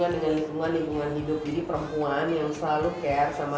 jadi perempuan yang selalu care sama